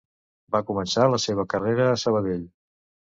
Va començar la seva carrera a Sabadell.